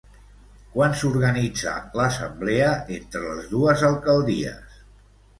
Quan s'organitzà l'assemblea entre les dues alcaldies?